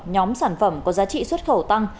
nhóm sản phẩm có giá trị xuất khẩu tăng